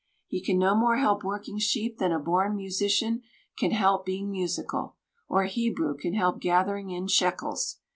He can no more help working sheep than a born musician can help being musical, or a Hebrew can help gathering in shekels.